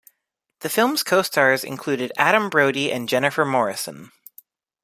The film's co-stars included Adam Brody and Jennifer Morrison.